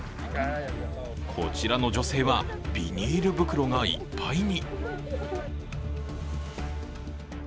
こちらの女性はビニール袋がいっぱいに。